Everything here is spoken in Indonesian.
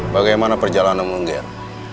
bagi mana perjalanammu ger